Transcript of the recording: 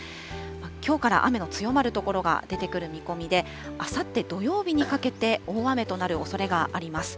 きょうから雨の強まる所が出てくる見込みで、あさって土曜日にかけて大雨となるおそれがあります。